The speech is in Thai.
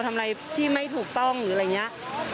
ทำอะไรที่ไม่ถูกต้องหรืออะไรอย่างนี้